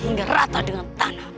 hingga rata dengan tanah